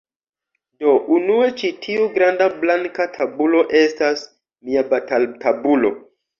Do, unue, ĉi tiu granda blanka tabulo estas mia bataltabulo